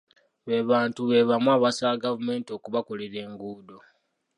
Be bantu be bamu abasaba gavumenti okubakolera enguudo.